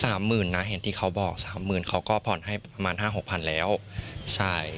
หมื่นนะเห็นที่เขาบอกสามหมื่นเขาก็ผ่อนให้ประมาณห้าหกพันแล้วใช่